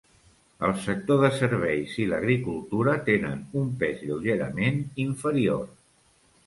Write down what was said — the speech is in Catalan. El sector de serveis i l'agricultura tenen un pes lleugerament inferior.